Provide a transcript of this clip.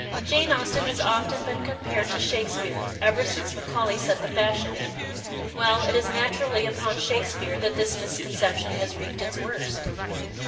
Jane Austen has often been compared to Shakesj^care, ever since Macaulay set the fashion. Well, it is naturally upon ShakesiDcare that this misconception has wreaked its worst.